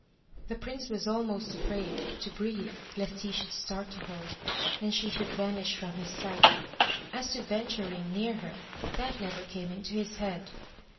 The prince was almost afraid to breathe lest he should startle her, and she should vanish from his sight. As to venturing near her, that never came into his head.